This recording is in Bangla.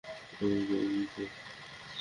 আভিযোগই, তো?